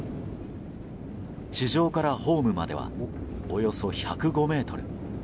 地上からホームまではおよそ１０５ｍ。